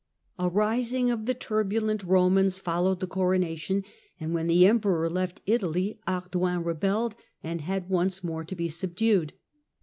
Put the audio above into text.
A rising of the turbulent Eomansl,^^ followed the coronation, and when the Emperor left Italy crowned Ardoin rebelled and had once more to be subdued.